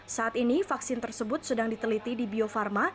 saat ini vaksin tersebut sedang diteliti di bio farma